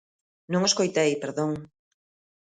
Non o escoitei, perdón.